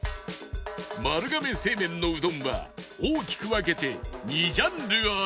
丸亀製麺のうどんは大きく分けて２ジャンルあり